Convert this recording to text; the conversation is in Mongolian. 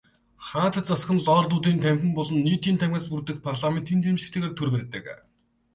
Хаант засаг нь Лордуудын танхим болон Нийтийн танхимаас бүрдэх парламентын дэмжлэгтэйгээр төр барьдаг.